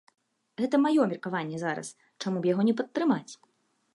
Гэта маё меркаванне зараз, чаму б яго не падтрымаць.